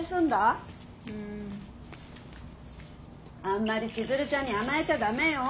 あんまり千鶴ちゃんに甘えちゃ駄目よ。